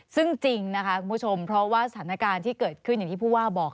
ซึ่งจริงนะคะคุณผู้ชมเพราะว่าสถานการณ์ที่เกิดขึ้นอย่างที่ผู้ว่าบอก